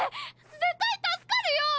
絶対助かるよ！